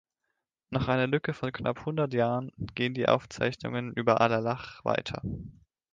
Nach einer Lücke von knapp hundert Jahren gehen die Aufzeichnungen über Alalach weiter.